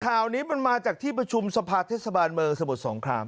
ข่าวนี้มันมาจากที่ประชุมสภาเทศบาลเมืองสมุทรสงคราม